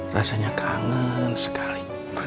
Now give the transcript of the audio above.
rasanya kangen sekali